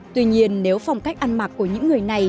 tuy nhiên nếu phong cách ăn mặc của những người này